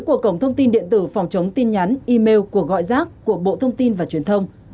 của cổng thông tin điện tử phòng chống tin nhắn email cuộc gọi rác của bộ thông tin và truyền thông